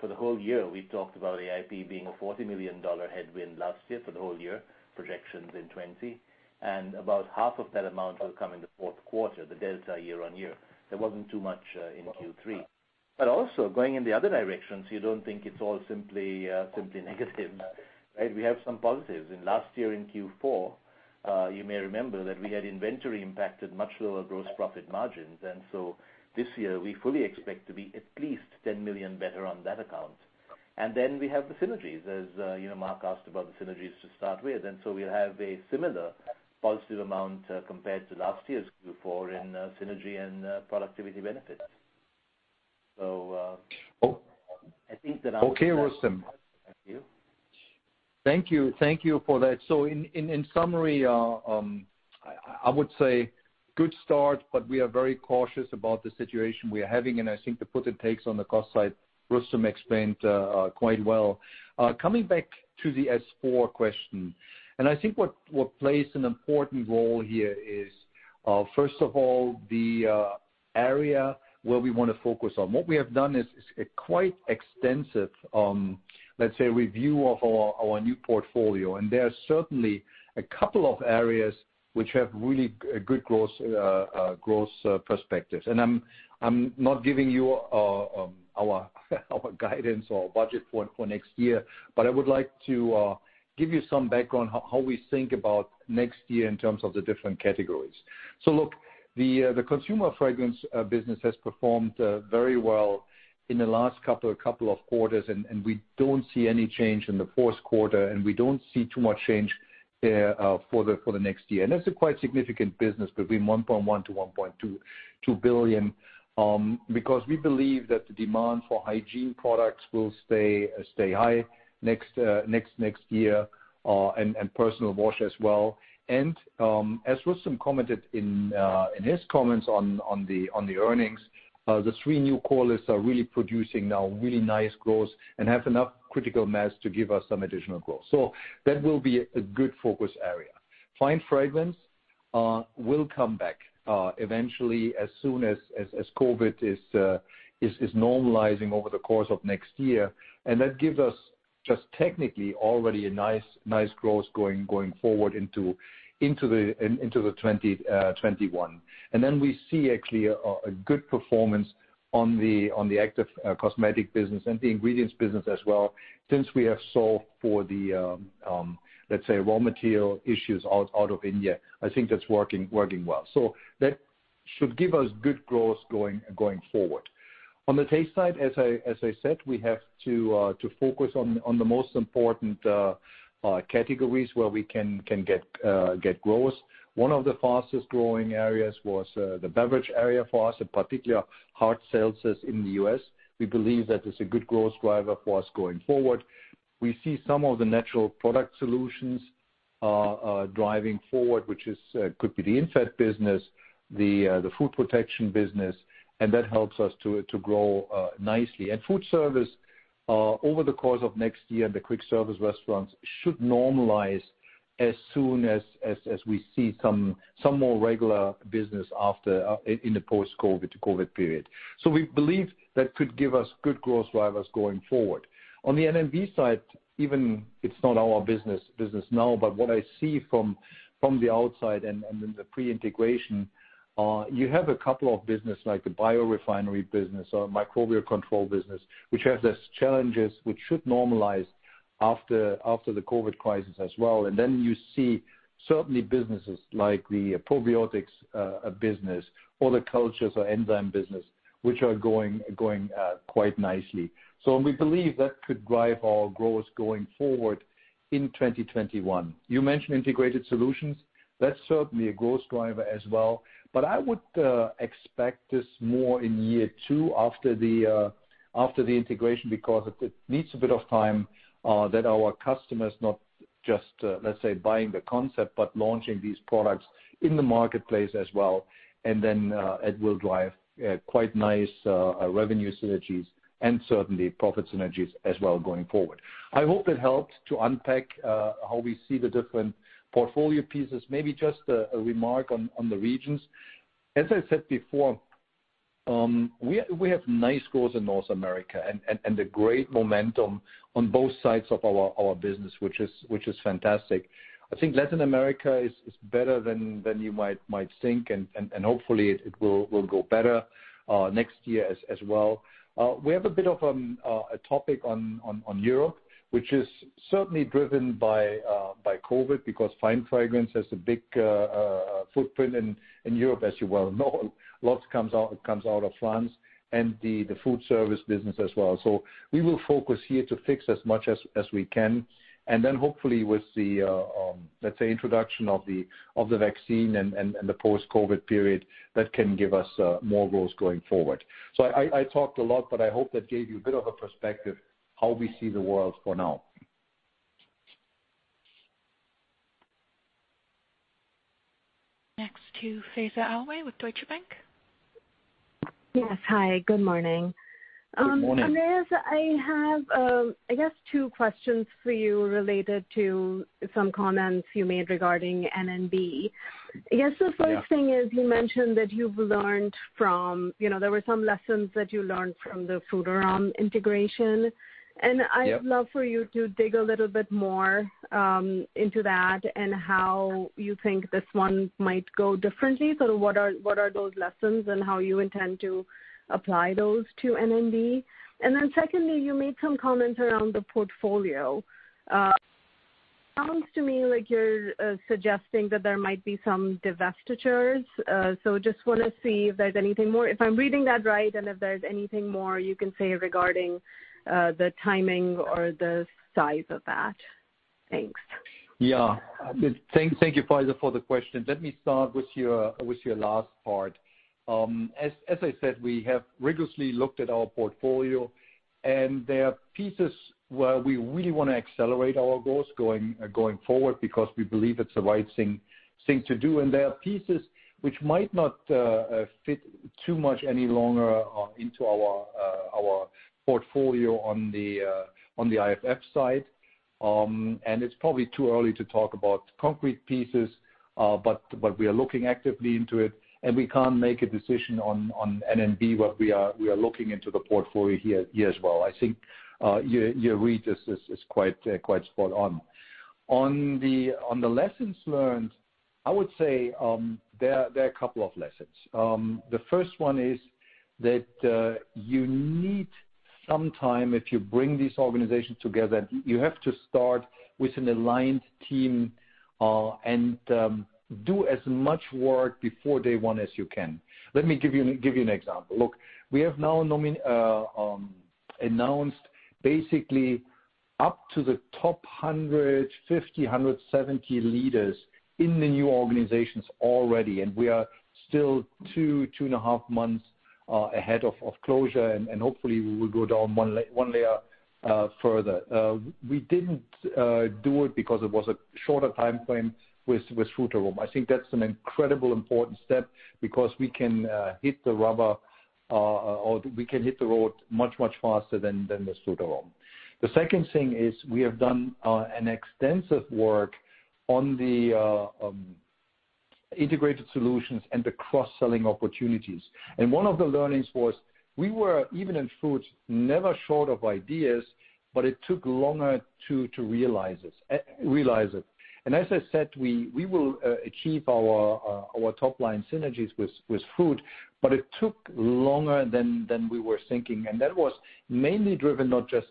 for the whole year. We talked about AIP being a $40 million headwind last year for the whole year, projections in 2020, and about half of that amount will come in the fourth quarter, the delta year-on-year. There wasn't too much in Q3. Going in the other direction, you don't think it's all simply negative. Right. We have some positives. In last year in Q4, you may remember that we had inventory impacted much lower gross profit margins. This year we fully expect to be at least $10 million better on that account. Then we have the synergies. As Mark asked about the synergies to start with, we'll have a similar positive amount compared to last year's Q4 in synergy and productivity benefits. Okay. I think that answers. Thank you. Thank you for that. In summary, I would say good start, but we are very cautious about the situation we are having, and I think the puts and takes on the cost side, Rustom explained quite well. Coming back to the S-4 question, and I think what plays an important role here is, first of all, the area where we want to focus on. What we have done is a quite extensive, let's say, review of our new portfolio. There are certainly a couple of areas which have really good growth perspectives. I'm not giving you our guidance or budget for next year, but I would like to give you some background, how we think about next year in terms of the different categories. The consumer fragrance business has performed very well in the last couple of quarters, and we don't see any change in the fourth quarter, and we don't see too much change for the next year. That's a quite significant business between $1.1 billion to $1.2 billion, because we believe that the demand for hygiene products will stay high next year, and personal wash as well. As Rustom commented in his comments on the earnings, the three new core list customers are really producing now really nice growth and have enough critical mass to give us some additional growth. That will be a good focus area. fine fragrance will come back eventually, as soon as COVID-19 is normalizing over the course of next year. That gives us just technically already a nice growth going forward into the 2021. We see actually a good performance on the cosmetic actives business and the ingredients business as well since we have solved for the, let's say, raw material issues out of India. I think that's working well. That should give us good growth going forward. On the Taste side, as I said, we have to focus on the most important categories where we can get growth. One of the fastest growing areas was the beverage area for us, in particular hard seltzers in the U.S. We believe that it's a good growth driver for us going forward. We see some of the Natural Product Solutions driving forward, which could be the insect business, the Food Protection business, and that helps us to grow nicely. Food service, over the course of next year, the quick service restaurants should normalize as soon as we see some more regular business in the post-COVID-19 period. We believe that could give us good growth drivers going forward. On the N&B side, even it's not our business now, but what I see from the outside and in the pre-integration, you have a couple of business, like the biorefinery business or microbial control business, which has its challenges, which should normalize after the COVID-19 crisis as well. Then you see certainly businesses like the probiotics business or the cultures or enzyme business, which are going quite nicely. We believe that could drive our growth going forward in 2021. You mentioned integrated solutions. That's certainly a growth driver as well. I would expect this more in year two after the integration because it needs a bit of time, that our customers not just, let's say, buying the concept, but launching these products in the marketplace as well. Then it will drive quite nice revenue synergies and certainly profit synergies as well going forward. I hope that helped to unpack how we see the different portfolio pieces. Maybe just a remark on the regions. As I said before, we have nice growth in North America and a great momentum on both sides of our business, which is fantastic. I think Latin America is better than you might think, and hopefully it will go better next year as well. We have a bit of a topic on Europe, which is certainly driven by COVID because fine fragrance has a big footprint in Europe, as you well know. Lots comes out of France and the food service business as well. We will focus here to fix as much as we can, and then hopefully with the, let's say, introduction of the vaccine and the post-COVID-19 period, that can give us more growth going forward. I talked a lot, but I hope that gave you a bit of a perspective how we see the world for now. Next to Faiza Alwy with Deutsche Bank. Yes. Hi, good morning. Good morning. Andreas, I have, I guess two questions for you related to some comments you made regarding N&B. I guess the first thing is you mentioned that there were some lessons that you learned from the Frutarom integration. Yeah. I would love for you to dig a little bit more into that and how you think this one might go differently. What are those lessons and how you intend to apply those to N&B? Secondly, you made some comments around the portfolio. It sounds to me like you're suggesting that there might be some divestitures. Just want to see if there's anything more, if I'm reading that right, and if there's anything more you can say regarding the timing or the size of that. Thanks. Yeah. Thank you, Faiza, for the question. Let me start with your last part. As I said, we have rigorously looked at our portfolio, and there are pieces where we really want to accelerate our goals going forward because we believe it's the right thing to do. There are pieces which might not fit too much any longer into our portfolio on the IFF side. It's probably too early to talk about concrete pieces, but we are looking actively into it, and we can't make a decision on N&B, but we are looking into the portfolio here as well. I think your read is quite spot on. On the lessons learned, I would say there are a couple of lessons. The first one is that you need some time if you bring these organizations together. You have to start with an aligned team and do as much work before day one as you can. Let me give you an example. Look, we have now announced basically up to the top 100, 50, 170 leaders in the new organizations already, we are still two and a half months ahead of closure, hopefully we will go down one layer further. We didn't do it because it was a shorter timeframe with Frutarom. I think that's an incredibly important step because we can hit the rubber, or we can hit the road much faster than with Frutarom. The second thing is we have done an extensive work on the integrated solutions and the cross-selling opportunities. One of the learnings was we were, even in food, never short of ideas, it took longer to realize it. As I said, we will achieve our top-line synergies with Food, but it took longer than we were thinking. That was mainly driven not just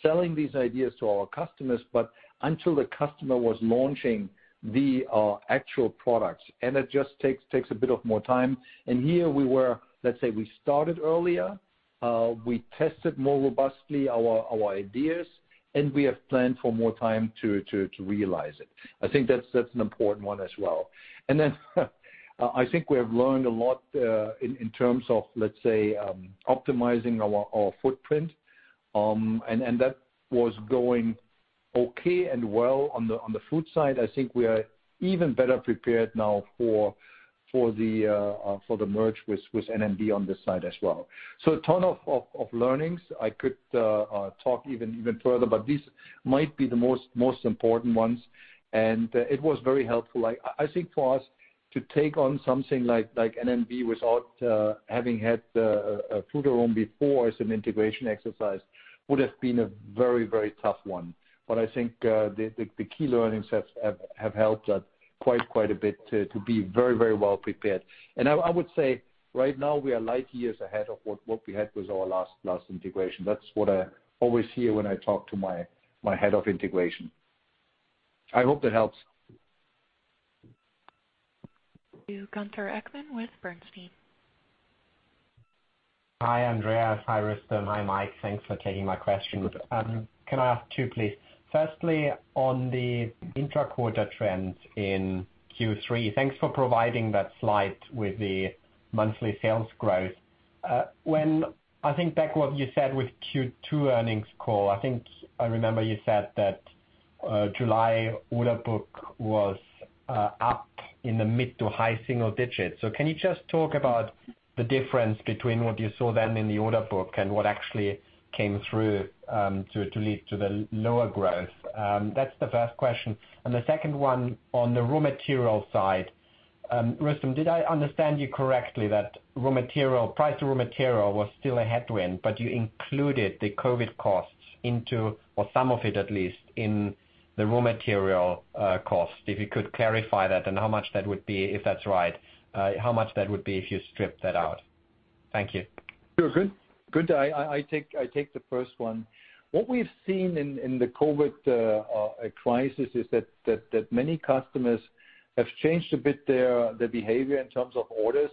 selling these ideas to our customers, but until the customer was launching the actual products. It just takes a bit of more time. Here we were, let's say we started earlier, we tested more robustly our ideas, and we have planned for more time to realize it. I think that's an important one as well. I think we have learned a lot in terms of, let's say, optimizing our footprint, and that was going okay and well on the Food side. I think we are even better prepared now for the merge with N&B on this side as well. A ton of learnings. I could talk even further, but these might be the most important ones, and it was very helpful. I think for us to take on something like N&B without having had Frutarom before as an integration exercise would have been a very, very tough one. I think the key learnings have helped us quite a bit to be very well prepared. I would say right now we are light years ahead of what we had with our last integration. That's what I always hear when I talk to my head of integration. I hope that helps. To Gunther Zechmann with Bernstein. Hi, Andreas. Hi, Rustom. Hi, Michael. Thanks for taking my question. Can I ask two, please? Firstly, on the intra-quarter trends in Q3, thanks for providing that slide with the monthly sales growth. When I think back what you said with Q2 earnings call, I think I remember you said that July order book was up in the mid to high single digits. Can you just talk about the difference between what you saw then in the order book and what actually came through to lead to the lower growth? That's the first question. The second one on the raw material side. Rustom, did I understand you correctly that price of raw material was still a headwind, but you included the COVID costs into, or some of it at least, in the raw material cost? If you could clarify that and how much that would be, if that's right, how much that would be if you strip that out. Thank you. Sure. Gunther, I take the first one. What we've seen in the COVID crisis is that many customers have changed a bit their behavior in terms of orders.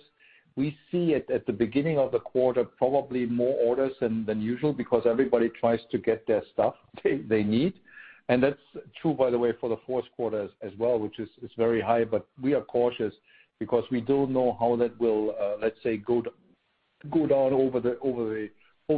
We see it at the beginning of the quarter, probably more orders than usual because everybody tries to get their stuff they need. That's true, by the way, for the fourth quarter as well, which is very high. We are cautious because we don't know how that will, let's say, go down over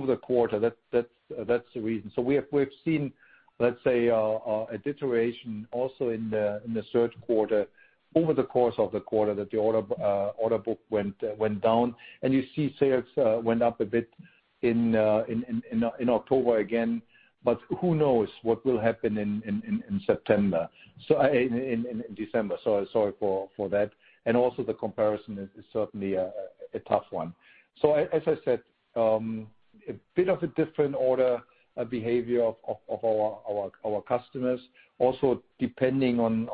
the quarter. That's the reason. We have seen, let's say, a deterioration also in the third quarter over the course of the quarter that the order book went down, and you see sales went up a bit in October again, but who knows what will happen in September. In December, sorry for that. Also the comparison is certainly a tough one. As I said, a bit of a different order of behavior of our customers. Depending on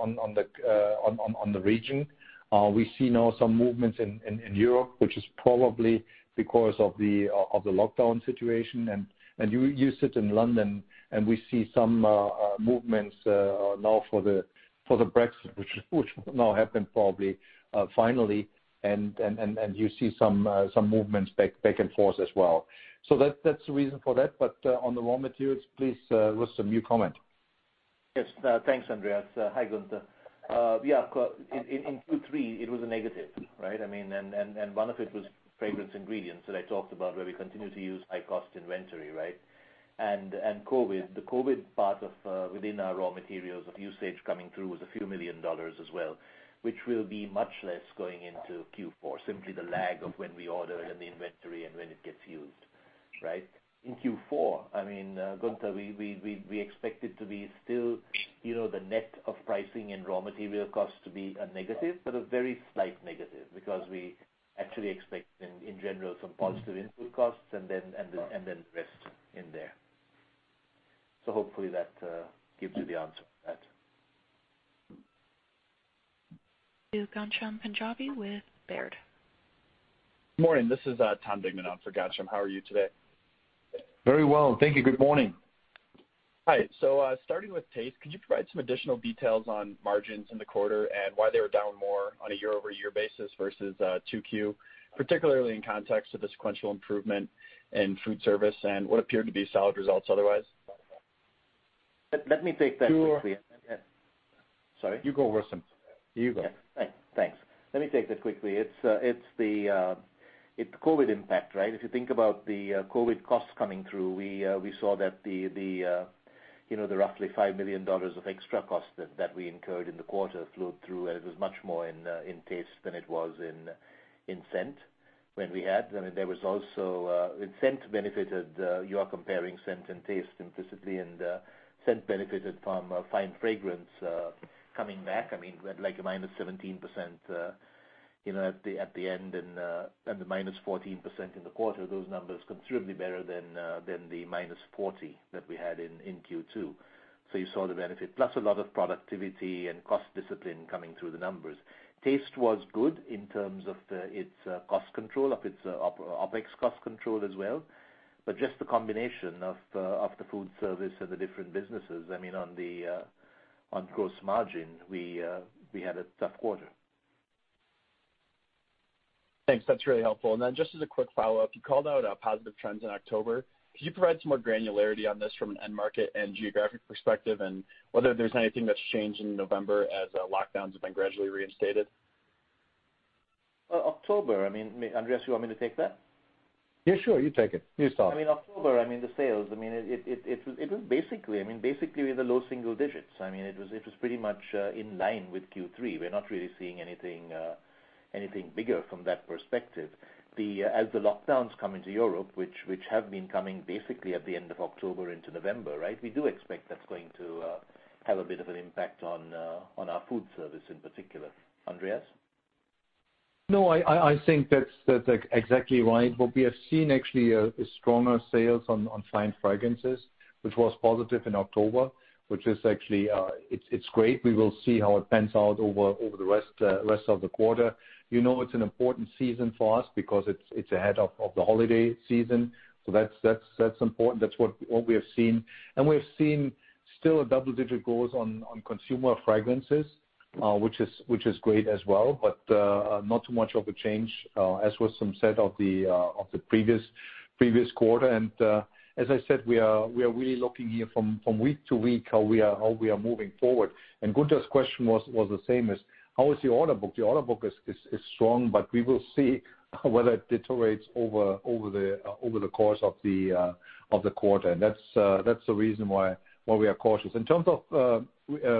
the region. We see now some movements in Europe, which is probably because of the lockdown situation, and you sit in London and we see some movements now for the Brexit, which will now happen probably finally, and you see some movements back and forth as well. That's the reason for that, but on the raw materials, please, Rustom, you comment. Yes, thanks, Andreas. Hi, Gunther. In Q3 it was a negative, right? One of it was fragrance ingredients that I talked about, where we continue to use high-cost inventory, right? COVID, the COVID part within our raw materials of usage coming through was a few million dollars as well, which will be much less going into Q4, simply the lag of when we order and the inventory and when it gets used. Right? In Q4, Gunther, we expect it to be still the net of pricing and raw material costs to be a negative, but a very slight negative because we actually expect in general some positive input costs and then the rest in there. Hopefully that gives you the answer for that. To Ghansham Panjabi with Baird. Morning, this is Thomas Digenan on for Ghansham. How are you today? Very well, thank you. Good morning. Hi. Starting with Taste, could you provide some additional details on margins in the quarter and why they were down more on a year-over-year basis versus 2Q, particularly in context of the sequential improvement in food service and what appeared to be solid results otherwise? Let me take that quickly. Sure. Sorry? You go, Rustom. You go. Thanks. Let me take this quickly. It's COVID impact, right? If you think about the COVID costs coming through, we saw that the roughly $5 million of extra cost that we incurred in the quarter flowed through, and it was much more in Taste than it was in Scent when we had. Scent benefited, you are comparing Scent and Taste implicitly, and Scent benefited from fine fragrance coming back. We had a -17% at the end and the -14% in the quarter. Those numbers considerably better than the -40% that we had in Q2. You saw the benefit, plus a lot of productivity and cost discipline coming through the numbers. Taste was good in terms of its cost control, of its OpEx cost control as well. Just the combination of the food service and the different businesses on gross margin, we had a tough quarter. Thanks. That's really helpful. Just as a quick follow-up, you called out positive trends in October. Could you provide some more granularity on this from an end market and geographic perspective, and whether there's anything that's changed in November as lockdowns have been gradually reinstated? October, Andreas, you want me to take that? Yeah, sure. You take it. You start. October, the sales, it was basically in the low single digits. It was pretty much in line with Q3. We're not really seeing anything bigger from that perspective. As the lockdowns come into Europe, which have been coming basically at the end of October into November, right? We do expect that's going to have a bit of an impact on our food service in particular. Andreas? No, I think that's exactly right. What we have seen actually is stronger sales on Fine Fragrances, which was positive in October, which is actually great. We will see how it pans out over the rest of the quarter. You know it's an important season for us because it's ahead of the holiday season, so that's important. That's what we have seen. We have seen still a double-digit growth on Consumer Fragrances, which is great as well, but not too much of a change, as Rustom said of the previous quarter. As I said, we are really looking here from week to week how we are moving forward. Gunther's question was the same as, "How is your order book?" The order book is strong, but we will see whether it deteriorates over the course of the quarter, and that's the reason why we are cautious. In terms of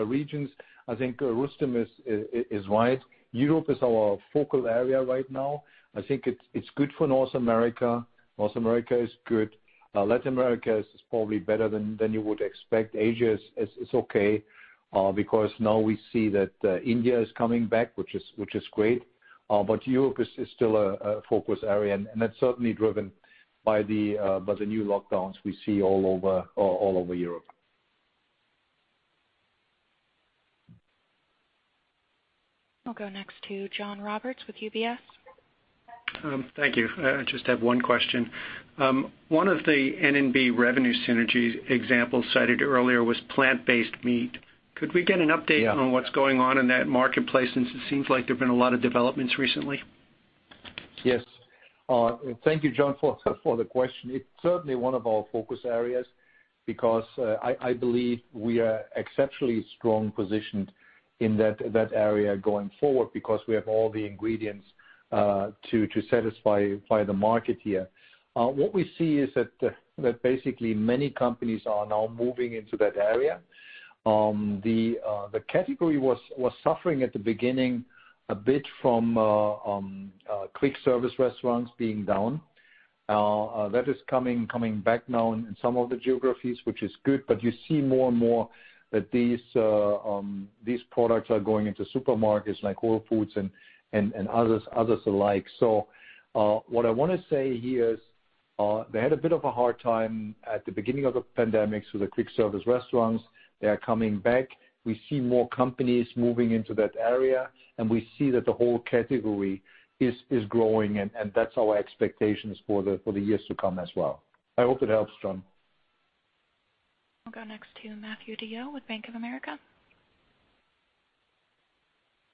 regions, I think Rustom is right. Europe is our focal area right now. I think it's good for North America. North America is good. Latin America is probably better than you would expect. Asia is okay, because now we see that India is coming back, which is great. Europe is still a focus area, and that's certainly driven by the new lockdowns we see all over Europe. I'll go next to John Roberts with UBS. Thank you. I just have one question. One of the N&B revenue synergy examples cited earlier was plant-based meat. Could we get an update on what's going on in that marketplace, since it seems like there've been a lot of developments recently? Yes. Thank you, John, for the question. It's certainly one of our focus areas because I believe we are exceptionally strong positioned in that area going forward because we have all the ingredients to satisfy the market here. What we see is that basically many companies are now moving into that area. The category was suffering at the beginning a bit from quick service restaurants being down. That is coming back now in some of the geographies, which is good, but you see more and more that these products are going into supermarkets like Whole Foods and others alike. What I want to say here is. They had a bit of a hard time at the beginning of the pandemic with the quick service restaurants. They are coming back. We see more companies moving into that area, and we see that the whole category is growing, and that's our expectations for the years to come as well. I hope it helps, John. We'll go next to Matthew DeYoe with Bank of America.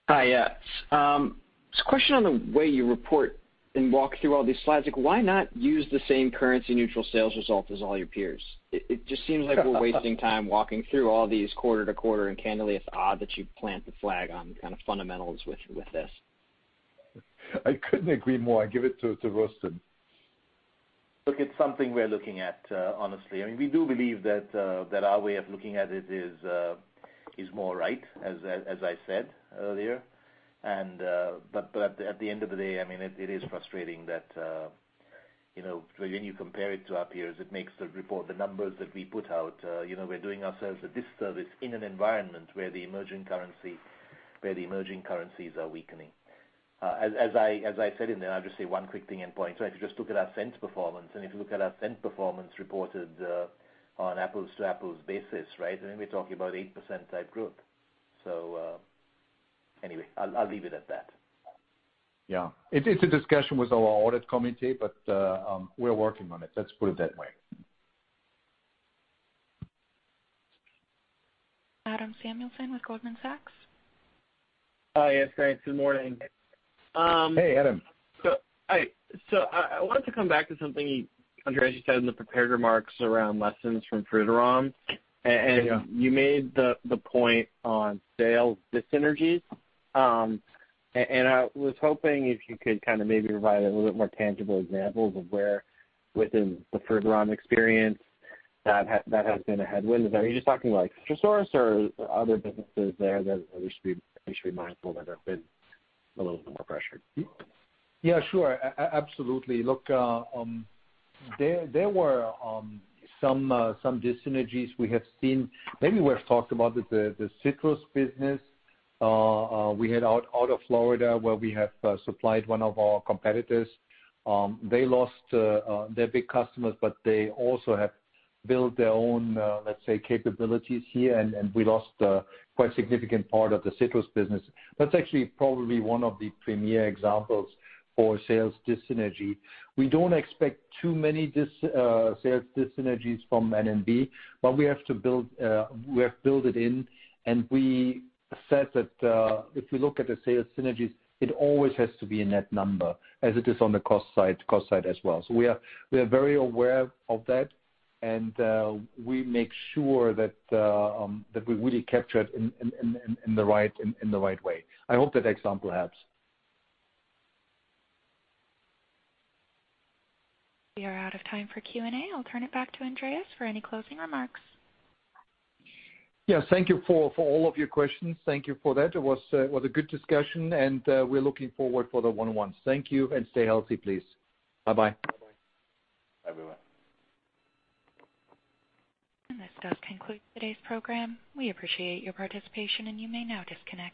Hi. Just a question on the way you report and walk through all these slides. Why not use the same currency-neutral sales result as all your peers? It just seems like we're wasting time walking through all these quarter-to-quarter, and candidly, it's odd that you plant the flag on kind of fundamentals with this. I couldn't agree more. I give it to Rustom. Look, it's something we are looking at, honestly. I mean, we do believe that our way of looking at it is more right, as I said earlier. At the end of the day, it is frustrating that when you compare it to our peers, it makes the report, the numbers that we put out, we're doing ourselves a disservice in an environment where the emerging currencies are weakening. As I said in there, I'll just say one quick thing and point to it. If you just look at our Scent performance, and if you look at our Scent performance reported on apples-to-apples basis, right? We're talking about 8% type growth. Anyway, I'll leave it at that. Yeah. It's a discussion with our audit committee, but we're working on it. Let's put it that way. Adam Samuelson with Goldman Sachs. Hi, yes, thanks. Good morning. Hey, Adam. I wanted to come back to something, Andreas, you said in the prepared remarks around lessons from Frutarom. Yeah. You made the point on sales dis-synergies. I was hoping if you could kind of maybe provide a little bit more tangible examples of where within the Frutarom experience that has been a headwind. Are you just talking about CitraSource or other businesses there that we should be mindful that have been a little bit more pressured? Yeah, sure. Absolutely. Look, there were some dis-synergies we have seen. Maybe we've talked about the Citrus business we had out of Florida where we have supplied one of our competitors. They lost their big customers, but they also have built their own, let's say, capabilities here, and we lost a quite significant part of the Citrus business. That's actually probably one of the premier examples for sales dis-synergy. We don't expect too many sales dis-synergies from N&B, but we have to build it in, and we said that if we look at the sales synergies, it always has to be a net number as it is on the cost side as well. We are very aware of that, and we make sure that we really capture it in the right way. I hope that example helps. We are out of time for Q&A. I'll turn it back to Andreas for any closing remarks. Yes. Thank you for all of your questions. Thank you for that. It was a good discussion, and we're looking forward for the one-on-ones. Thank you, and stay healthy, please. Bye-bye. Bye-bye. This does conclude today's program. We appreciate your participation, and you may now disconnect.